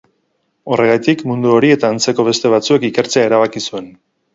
Horregatik, mundu hori eta antzeko beste batzuk ikertzea erabaki zuen.